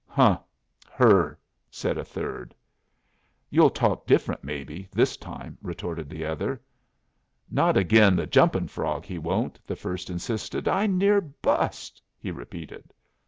"Huh! Her!" said a third. "You'll talk different, maybe, this time," retorted the other. "Not agin 'The Jumping Frog,' he won't," the first insisted. "I near bust," he repeated.